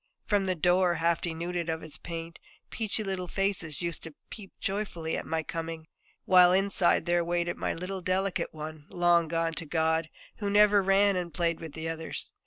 From the door, half denuded of its paint, peachy little faces used to peep joyfully at my coming; while inside there waited my little delicate one, long gone to God, who never ran and played with the others.